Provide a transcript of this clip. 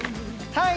はい！